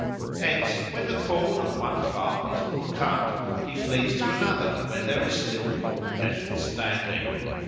Hence when the corn on one farm is all cut, he flees to another where there is still corn left standing.